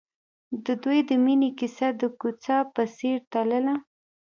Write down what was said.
د دوی د مینې کیسه د کوڅه په څېر تلله.